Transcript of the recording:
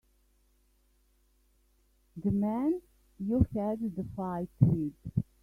The man you had the fight with.